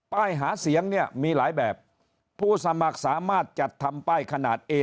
ป้ายหาเสียงเนี่ยมีหลายแบบผู้สมัครสามารถจัดทำป้ายขนาดเอ